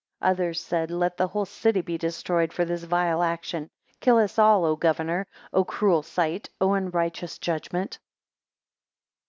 14 Others said, Let the whole city be destroyed for this vile action. Kill us all, O governor. O cruel sight! O unrighteous judgment.